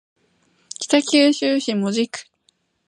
北九州市門司区